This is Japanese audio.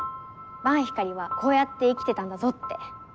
伴ひかりはこうやって生きてたんだぞって。